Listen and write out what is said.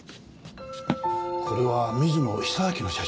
これは水野久明の写真ですね。